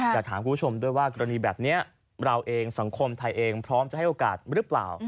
อยากถามคุณผู้ชมด้วยว่ากรณีแบบนี้เราเองสังคมไทยเองพร้อมจะให้โอกาสหรือเปล่า